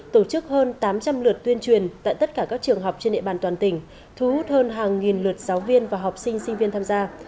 tổ chức hơn tám trăm linh lượt tuyên truyền tại tất cả các trường học trên địa bàn toàn tỉnh thu hút hơn hàng nghìn lượt giáo viên và học sinh sinh viên tham gia